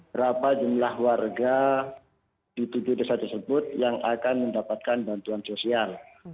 berapa jumlah warga di tujuh desa tersebut yang akan mendapatkan bantuan sosial